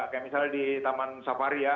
kayak misalnya di taman safari ya